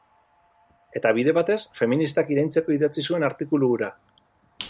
Eta bide batez, feministak iraintzeko idatzi zuen artikulu hura.